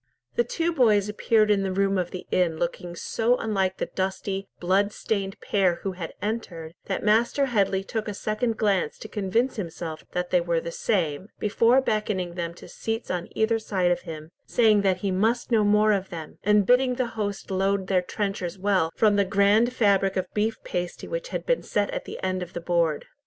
The two boys appeared in the room of the inn looking so unlike the dusty, blood stained pair who had entered, that Master Headley took a second glance to convince himself that they were the same, before beckoning them to seats on either side of him, saying that he must know more of them, and bidding the host load their trenchers well from the grand fabric of beef pasty which had been set at the end of the board.